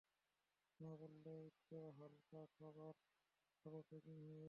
না, বললামই তো হালকা খাবার খাব প্যাকিং হয়ে গেছে?